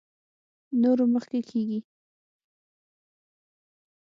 نورو مخکې کېږي.